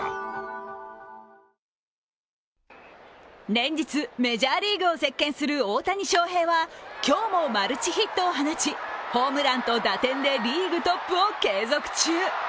連日、メジャーリーグを席巻する大谷翔平は今日もマルチヒットを放ちホームランと打点でリーグトップを継続中。